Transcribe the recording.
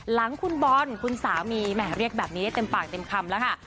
หลังคุณบอลคุณสามีแหมเรียกแบบนี้ได้เต็มปากเต็มคำแล้วค่ะ